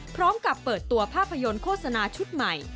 พร้อมกับเปิดตัวภาพยนตร์โฆษณาชุดใหม่